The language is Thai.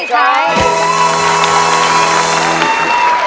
ไม่ใช้ค่ะ